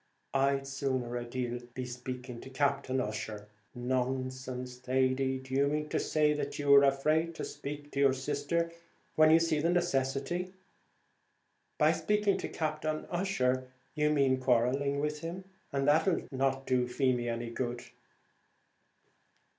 I'd sooner a deal be speaking to Captain Ussher." "Nonsense, Thady; do you mean to say you are afraid to speak to your sister when you see the necessity? By speaking to Captain Ussher you mean quarrelling with him, and that's not what'll do Feemy any good."